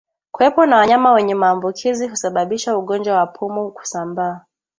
Kuwepo na wanyama wenye maambukizi husababisha ugonjwa wa pumu kusambaa